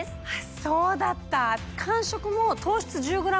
そうだった！